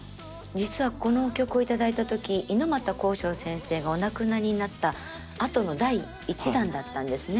実はこの曲を頂いた時猪俣公章先生がお亡くなりになったあとの第１弾だったんですね。